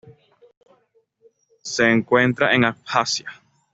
Se encuentra en Abjasia.